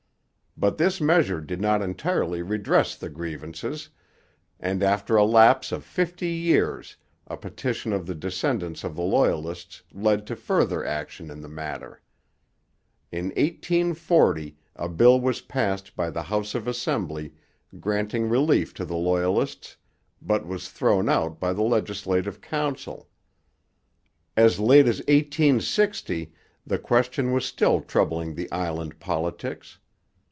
But this measure did not entirely redress the grievances, and after a lapse of fifty years a petition of the descendants of the Loyalists led to further action in the matter. In 1840 a bill was passed by the House of Assembly granting relief to the Loyalists, but was thrown out by the Legislative Council. As late as 1860 the question was still troubling the island politics.